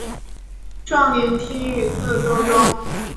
壮年听雨客舟中。